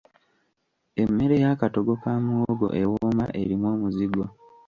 Emmere y'akatogo ka muwogo ewooma erimu omuzigo.